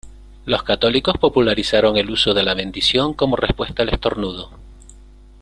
Los católicos popularizaron el uso de la bendición como respuesta al estornudo.